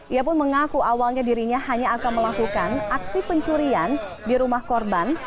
ia pun mengaku awalnya dirinya hanya akan melakukan aksi pencurian di rumah korban